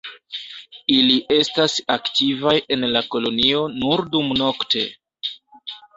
Ili estas aktivaj en la kolonio nur dumnokte.